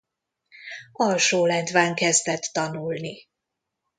Alsólendván kezdett tanulni.